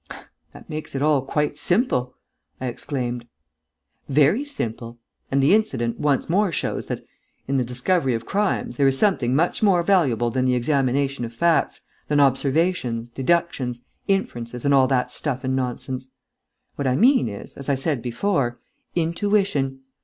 "That makes it all quite simple!" I exclaimed. "Very simple. And the incident once more shows that, in the discovery of crimes, there is something much more valuable than the examination of facts, than observations, deductions, inferences and all that stuff and nonsense. What I mean is, as I said before, intuition